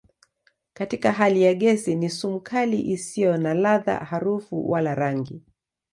Katika hali ya gesi ni sumu kali isiyo na ladha, harufu wala rangi.